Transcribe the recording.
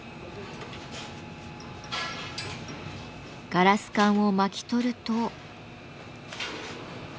ガラス管を巻き取ると。